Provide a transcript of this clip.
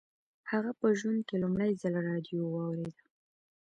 هغه په ژوند کې لومړي ځل راډيو واورېده.